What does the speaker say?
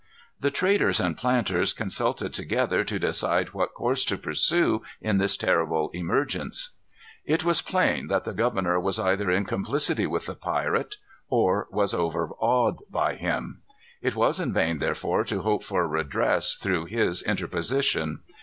The traders and planters consulted together to decide what course to pursue in this terrible emergence. It was plain that the governor was either in complicity with the pirate or was overawed by him. It was in vain, therefore, to hope for redress through his interposition.